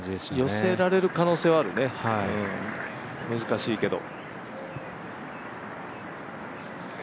寄せられる可能性はあるね、難しいけど。